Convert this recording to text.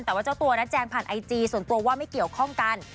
แต่ว่าเจ้าตัวนะแจงผ่านไอจีส่วนตัวว่าไม่เกี่ยวข้องกัน